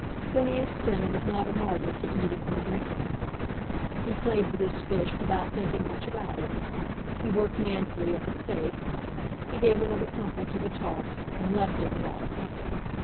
Phineas Finn was not a martyr to eating or drinking. He played with his fish without thinking much about it. He worked manfully at the steak. He gave another crumple to the tart, and left it without a pang.